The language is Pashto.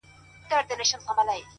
عاجزي د لویو زړونو ځانګړنه ده.!